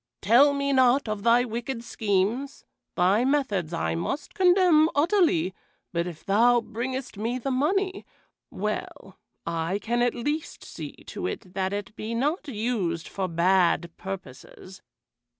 "Tell me not of thy wicked schemes! Thy methods I must condemn utterly, but if thou bringest me the money, well, I can at least see to it that it be not used for bad purposes.